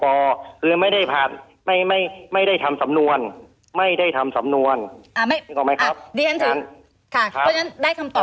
คือไม่ได้ผ่านไม่ได้ทำสำนวนไม่ได้ทำสำนวนอ่าไม่นึกออกไหมครับ